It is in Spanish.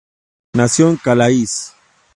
Nació en Calais.